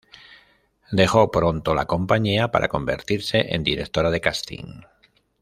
Dejó pronto la compañía para convertirse en directora de casting.